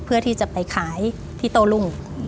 เพื่อที่จะไปขายที่โต้รุ่ง